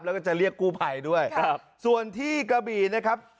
แล้วก็จะเรียกกู้ภัยด้วยครับส่วนที่กระบี่นะครับ